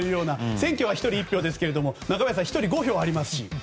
選挙は１人１票ですけれども中林さん、１人５票ありますし。